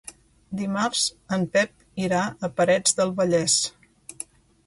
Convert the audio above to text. Dimarts en Pep irà a Parets del Vallès.